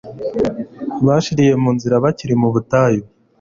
bashiriye mu nzira bakiri mu butayu